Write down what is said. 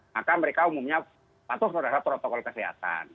maka mereka umumnya patuh terhadap protokol kesehatan